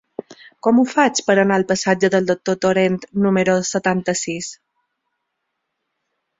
Com ho faig per anar al passatge del Doctor Torent número setanta-sis?